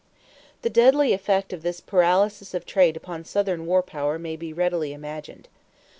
The deadly effect of this paralysis of trade upon Southern war power may be readily imagined.